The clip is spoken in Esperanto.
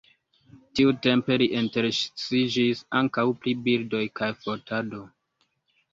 Tiutempe li interesiĝis ankaŭ pri birdoj kaj fotado.